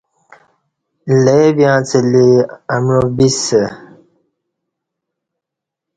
لے ویں اڅہ لی امعو بِسہ